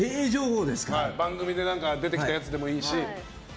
番組で出てきたやつでもいいし。